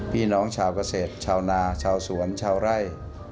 พี่น้องชาวเกษตรชาวนาชาวสวนชาวไร่